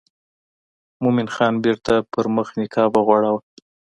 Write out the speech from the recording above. مومن خان بیرته پر مخ نقاب وغوړاوه.